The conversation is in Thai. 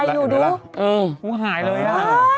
เออมันหายเลยอ่ะ